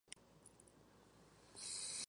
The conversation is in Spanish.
Las relaciones entre España y Eslovenia son buenas.